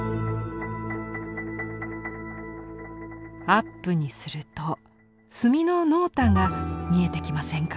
アップにすると墨の濃淡が見えてきませんか？